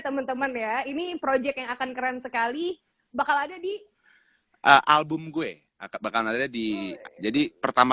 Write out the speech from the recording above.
teman teman ya ini proyek yang akan keren sekali bakal ada di album gue akan ada di jadi pertama